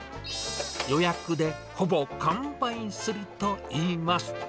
予約でほぼ完売するといいます。